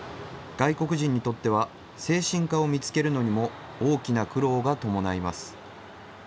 外国人にとっては、精神科を見つけるのにも大きな苦労が伴います。